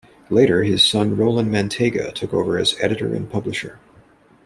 Later, his son Roland Manteiga took over as editor and publisher.